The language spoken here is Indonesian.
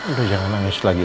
udah jangan manis lagi